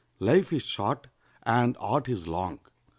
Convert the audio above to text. Life is short, and art is long.